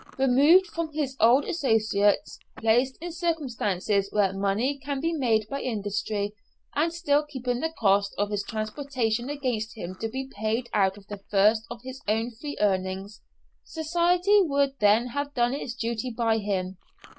Removed from his old associates, placed in circumstances where money can be made by industry, and still keeping the cost of his transportation against him to be paid out of the first of his own free earnings, society would then have done its duty by him.